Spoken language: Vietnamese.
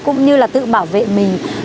cũng như là tự bảo vệ mình